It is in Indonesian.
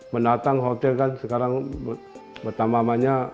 menatang hotel kan sekarang bertambah banyak